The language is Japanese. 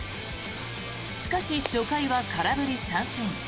しかし、初回は空振り三振。